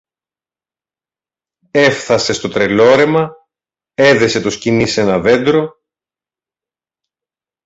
Έφθασε στο Τρελόρεμα, έδεσε το σκοινί σ' ένα δέντρο